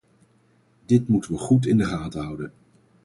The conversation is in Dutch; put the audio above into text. Dit moeten we goed in de gaten houden.